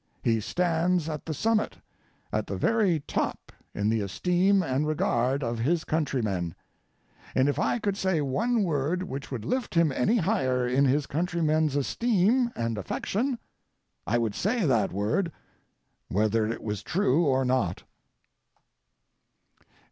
He stands at the summit, at the very top in the esteem and regard of his countrymen, and if I could say one word which would lift him any higher in his countrymen's esteem and affection, I would say that word whether it was true or not.